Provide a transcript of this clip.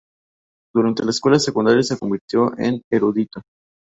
Durante la escuela secundaria se convirtió en erudito.